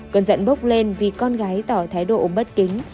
cơn giận bốc lên vì con gái tỏ thái độ bất kính